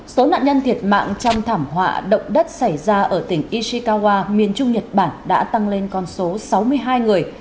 số nạn nhân thiệt mạng trong thảm họa động đất xảy ra ở tỉnh ishikawa miền trung nhật bản đã tăng lên con số sáu mươi hai người